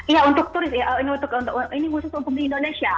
iya untuk turis ya ini untuk khusus untuk di indonesia